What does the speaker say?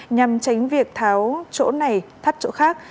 nhằm tránh việc tháo chỗ này thắt chỗ khác